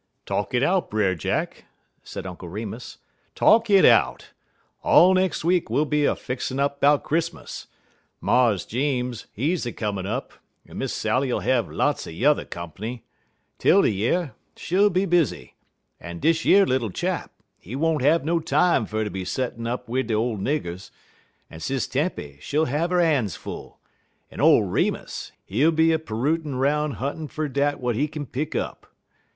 "Talk it out, Brer Jack," said Uncle Remus; "talk it out. All nex' week we'll be a fixin' up 'bout Chris'mus. Mars Jeems, he's a comin' up, en Miss Sally'll have lots er yuther comp'ny. 'Tildy yer, she'll be busy, en dish yer little chap, he won't have no time fer ter be settin' up wid de ole niggers, en Sis Tempy, she'll have 'er han's full, en ole Remus, he'll be a pirootin' 'roun' huntin' fer dat w'at he kin pick up.